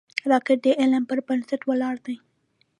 راکټ د علم پر بنسټ ولاړ دی